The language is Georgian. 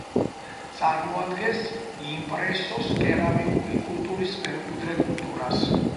წარმოადგენს იმპრესოს კერამიკული კულტურის მემკვიდრე კულტურას.